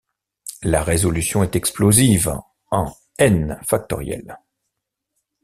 La résolution est explosive, en n!.